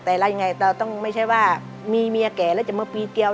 แต่เรายังไงเราต้องไม่ใช่ว่ามีเมียแก่แล้วจะมาปีเดียว